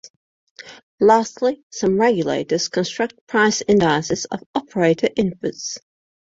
Lastly, some regulators construct price indices of operator inputs.